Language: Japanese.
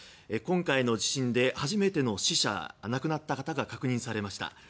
今回の地震で初めての死者、亡くなった方が確認されました。